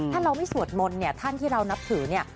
ถ้าเราไม่สวดมนต์เนี่ยท่านที่เรานับถือเนี่ย